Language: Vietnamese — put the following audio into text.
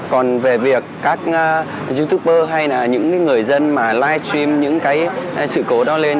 còn về việc các youtuber hay là những người dân mà livestream những cái sự cố đó lên